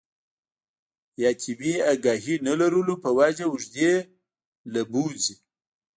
يا طبي اګاهي نۀ لرلو پۀ وجه اوږدې له بوځي